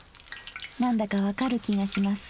なんだか分かる気がします。